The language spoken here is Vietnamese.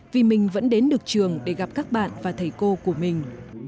vì mình vẫn đến được trường để gặp các bạn và thầy cô của mình